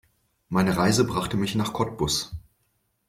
Meine Reise brachte mich nach Cottbus